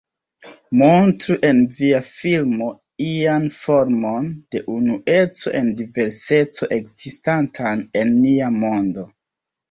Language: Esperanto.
Montru en via filmo ian formon de Unueco en Diverseco ekzistantan en nia mondo.